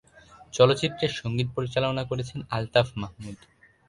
চলচ্চিত্রের সঙ্গীত পরিচালনা করেছেন আলতাফ মাহমুদ।